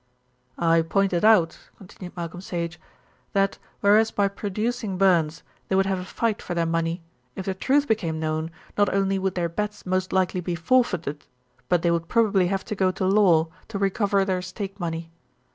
"I pointed out," continued Malcolm Sage, "that whereas by producing Burns they would have a fight for their money, if the truth became known not only would their bets most likely be forfeited, but they would probably have to go to law to recover their stake money.